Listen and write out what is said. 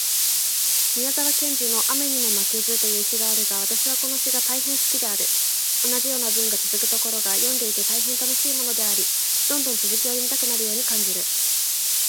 宮沢賢治のアメニモマケズという詩があるが私はこの詩が大変好きである。同じような文がつづくところが読んでいて大変楽しいものであり、どんどん続きを読みたくなるように感じる。この詩を読んでから、彼の他の作品も読んでみたいと思った。